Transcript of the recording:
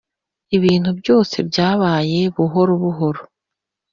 ibintu byose byabaye buhoro buhoro.